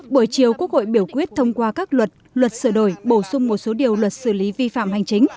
buổi chiều quốc hội biểu quyết thông qua các luật luật sửa đổi bổ sung một số điều luật xử lý vi phạm hành chính